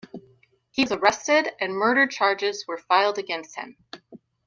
He was arrested and murder charges were filed against him.